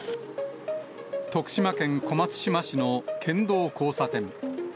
徳島県小松島市の県道交差点。